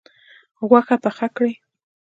غوښه پخه کړئ